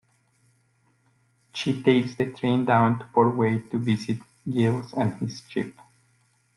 She takes the train down to Port Wade to visit Giles and his ship.